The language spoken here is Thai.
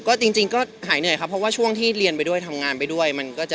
ครับผมจริงก็หายเหนื่อยครับเพราะว่าช่วงที่เรียนไปด้วยทำงานไปด้วย